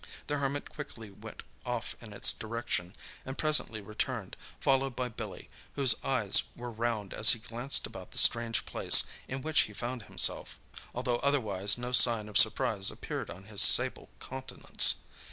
The Hermit quickly went off in its direction, and presently returned, followed by Billy, whose eyes were round as he glanced about the strange place in which he found himself, although otherwise no sign of surprise appeared on his sable countenance.